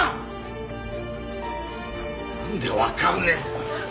なんでわからねえんだ！